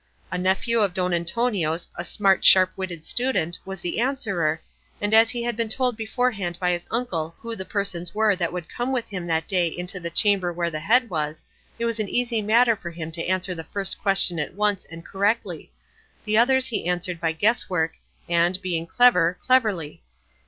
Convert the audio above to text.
A nephew of Don Antonio's, a smart sharp witted student, was the answerer, and as he had been told beforehand by his uncle who the persons were that would come with him that day into the chamber where the head was, it was an easy matter for him to answer the first question at once and correctly; the others he answered by guess work, and, being clever, cleverly.